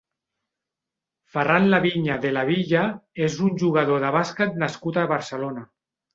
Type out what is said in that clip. Ferran Laviña de la Villa és un jugador de bàsquet nascut a Barcelona.